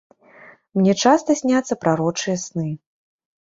Мне часта сняцца прарочыя сны.